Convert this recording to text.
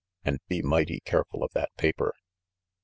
And be mighty careful of that paper